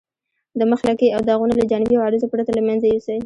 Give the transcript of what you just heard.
د مخ لکې او داغونه له جانبي عوارضو پرته له منځه یوسئ.